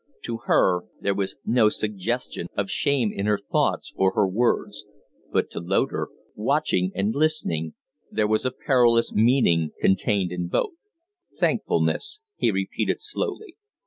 To her there was no suggestion of shame in her thoughts or her words; but to Loder, watching and listening, there was a perilous meaning contained in both. "Thankfulness?" he repeated, slowly.